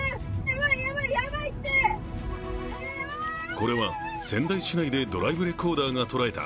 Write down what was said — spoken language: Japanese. これは仙台市内でドライブレコーダーがとらえた